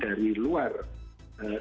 kami tidak membantu apa namanya pasien